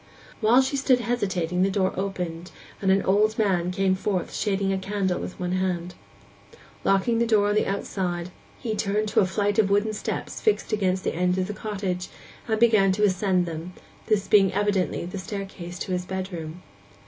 While she stood hesitating the door opened, and an old man came forth shading a candle with one hand. Locking the door on the outside, he turned to a flight of wooden steps fixed against the end of the cottage, and began to ascend them, this being evidently the staircase to his bedroom.